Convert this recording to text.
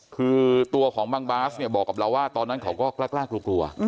คือตัวของบางบาสเนี่ยบอกกับเราว่าตอนนั้นเขาก็กล้ากลัว